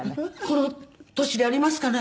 「この年でありますかね？」